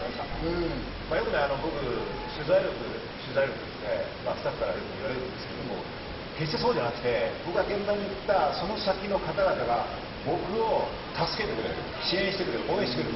よくね僕、取材力、取材力ってスタッフから言われるんですけど、決してそうじゃなくて、僕は現場に行ったその先の方々が僕を助けてくれる、支援してくれる、応援してくれる。